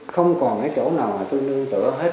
không còn cái chỗ nào mà tôi nương rửa hết